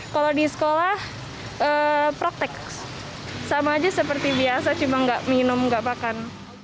kalau di sekolah praktek sama aja seperti biasa cuma nggak minum nggak makan